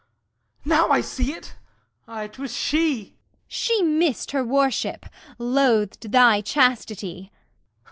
Now I see it! Aye, 'twas she. ARTEMIS She missed her worship, loathed thy chastity!